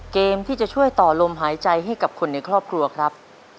เกมที่จะช่วยต่อลมหายใจให้กับคนในครอบครัวครับ